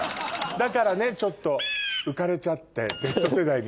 だからねちょっと浮かれちゃって。